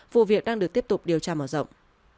vụ việc đang được tiếp tục điều tra mở rộng